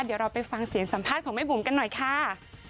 เดี๋ยวเราไปฟังเสียงสัมภาษณ์ของแม่บุ๋มกันหน่อยค่ะ